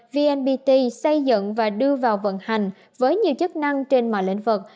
vnpt xây dựng và đưa vào vận hành với nhiều chức năng trên mọi lĩnh vực